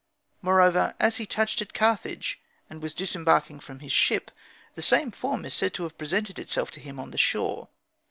Moreover, as he touched at Carthage, and was disembarking from his ship, the same form is said to have presented itself to him on the shore.